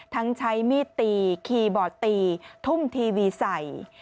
ทั้งใช้มีดตีคีย์บอร์ดตีทุ่มทีวีใส่